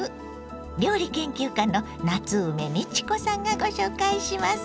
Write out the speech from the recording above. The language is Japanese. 料理研究家の夏梅美智子さんがご紹介します。